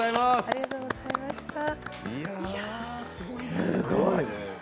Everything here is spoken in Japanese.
すごい。